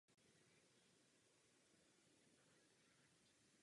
To vše je ve zprávě dobře vyjádřeno.